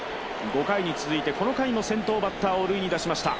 ５回に続いてこの回も先頭バッターを塁に出しました。